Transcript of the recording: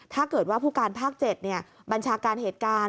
ถ้าเกิดว่าผู้การภาค๗บัญชาการเหตุการณ์